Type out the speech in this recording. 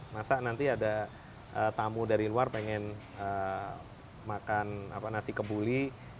masa nanti ada tamu dari luar pengen makan nasi kebuli